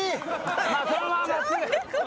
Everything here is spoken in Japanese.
そのまま真っすぐ。